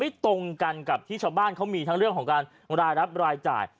ตรงกันกับที่ชาวบ้านเขามีทั้งเรื่องของการรายรับรายจ่าย